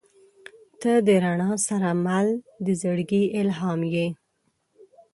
• ته د رڼا سره مل د زړګي الهام یې.